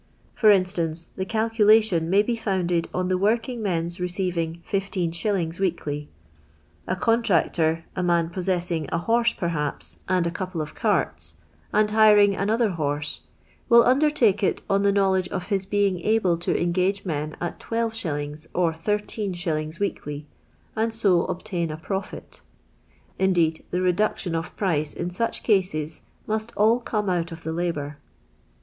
For instance, the c:ilculation may be founded on I the working men's receiving 15^. weekly. A ■ c mtractor, a man possessing a horse, perhaps, ani ■ a couple of carts, and hiring another horse, will underuike it on the knowledge of his being able ' to engage men at 12«. or 13& weekly, and so obtain a profit ; indeed the reduction of price in such cases must all come out of the labour.